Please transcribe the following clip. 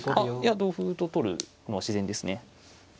同歩と取るのは自然ですね。